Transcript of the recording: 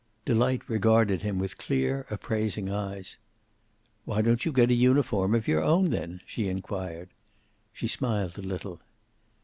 Delight regarded him with clear, appraising eyes. "Why don't you get a uniform of your own, then?" she inquired. She smiled a little.